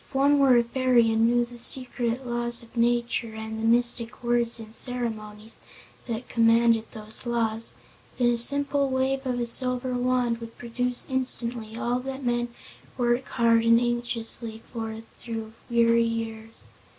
If one were a fairy and knew the secret laws of nature and the mystic words and ceremonies that commanded those laws, then a simple wave of a silver wand would produce instantly all that men work hard and anxiously for through weary years.